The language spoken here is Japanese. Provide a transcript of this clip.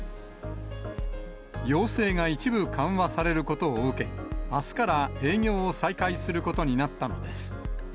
要請が一部緩和されることを受け、あすから営業を再開することになったのです。